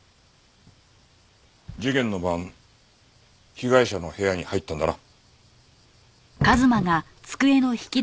事件の晩被害者の部屋に入ったんだな。